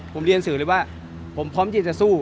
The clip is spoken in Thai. ผมเรียนสื่อเลยว่าผมพร้อมที่จะสู้